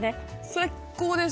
最高です。